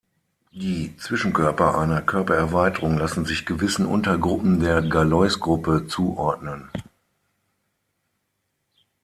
Die Zwischenkörper einer Körpererweiterung lassen sich gewissen Untergruppen der Galoisgruppe zuordnen.